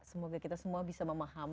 semoga kita semua bisa memahami